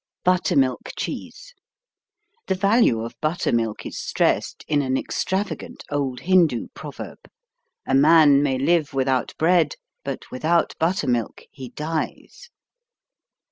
BUTTERMILK CHEESE The value of buttermilk is stressed in an extravagant old Hindu proverb: "A man may live without bread, but without buttermilk he dies."